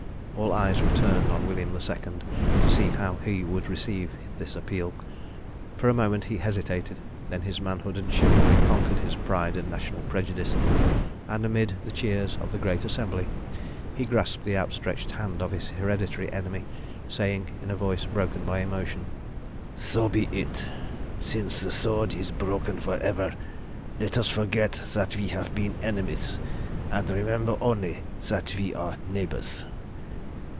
All eyes were turned on William II, to see how he would receive this appeal. For a moment he hesitated, then his manhood and chivalry conquered his pride and national prejudice, and amidst the cheers of the great assembly, he grasped the outstretched hand of his hereditary enemy, saying in a voice broken by emotion "So be it. Since the sword is broken for ever, let us forget that we have been enemies, and remember only that we are neighbours."